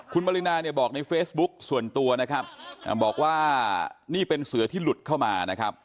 คุณปรินาเนี่ยบอกในเฟซบุ๊กส่วนตัวนะครับบอกว่านี่เป็นเสือที่หลุดเข้ามานะครับ